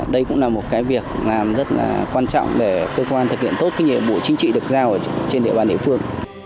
đây cũng là một việc làm rất quan trọng để cơ quan thực hiện tốt khi nhiệm vụ chính trị được giao trên địa bàn địa phương